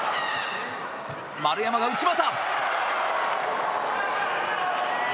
丸山が内股。